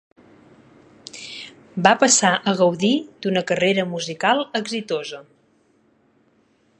Va passar a gaudir d'una carrera musical exitosa.